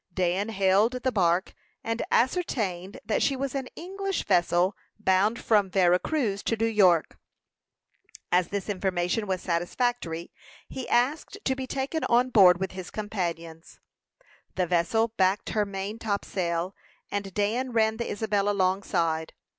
Dan hailed the bark, and ascertained that she was an English vessel, bound from Vera Cruz to New York. As this information was satisfactory, he asked to be taken on board, with his companions. The vessel backed her main topsail, and Dan ran the Isabel alongside.